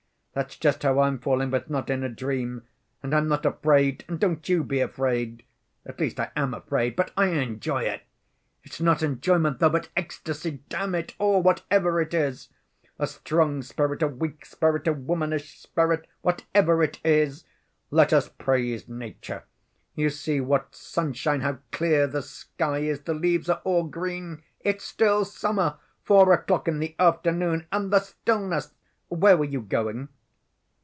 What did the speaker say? That's just how I'm falling, but not in a dream. And I'm not afraid, and don't you be afraid. At least, I am afraid, but I enjoy it. It's not enjoyment though, but ecstasy. Damn it all, whatever it is! A strong spirit, a weak spirit, a womanish spirit—whatever it is! Let us praise nature: you see what sunshine, how clear the sky is, the leaves are all green, it's still summer; four o'clock in the afternoon and the stillness! Where were you going?"